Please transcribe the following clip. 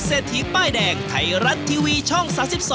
เศรษฐีป้ายแดงไทยรัฐทีวีช่อง๓๒